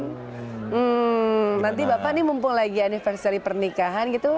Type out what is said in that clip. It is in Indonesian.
hmm nanti bapak ini mumpung lagi anniversary pernikahan gitu